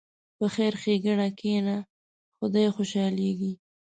په خیر ښېګڼه کښېنه، خدای خوشحالېږي.